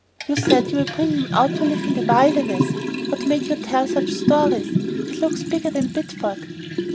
You said you were bringing me out to live in the wilderness. What made you tell such stories? It looks bigger than Bideford."